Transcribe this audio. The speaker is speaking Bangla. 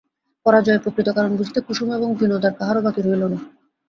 পরাজয়ের প্রকৃত কারণ বুঝিতে কুসুম এবং বিনোদার কাহারও বাকি রহিল না।